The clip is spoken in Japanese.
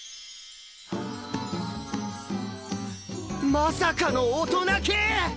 まさかの大人系！？